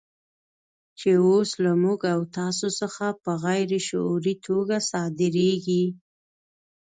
چې اوس له موږ او تاسو څخه په غیر شعوري توګه صادرېږي.